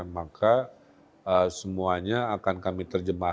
maka semuanya akan kami terjemahkan